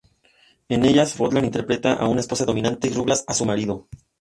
En ellas Boland interpretaba a la esposa dominante, y Ruggles a su marido.